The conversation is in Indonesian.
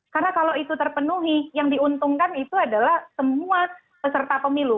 karena kalau itu terpenuhi yang diuntungkan itu adalah semua peserta pemilu